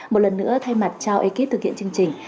một lần nữa thay mặt cho ekip thực hiện chương trình